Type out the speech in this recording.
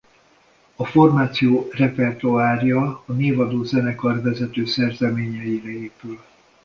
A formáció repertoárja a névadó zenekarvezető szerzeményeire épül.